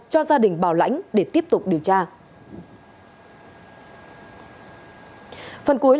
cho gia đình bảo lãnh để tiếp tục điều tra